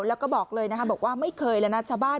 แล้วก็บอกเลยนะคะบอกว่าไม่เคยเลยนะชาวบ้าน